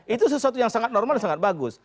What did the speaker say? itu sesuatu yang sangat normal sangat bagus